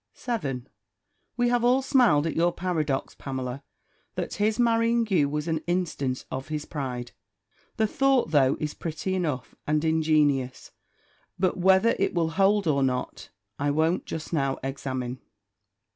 7. We have all smiled at your paradox, Pamela, that his marrying you was an instance of his pride. The thought, though, is pretty enough, and ingenious; but whether it will hold or not, I won't just now examine.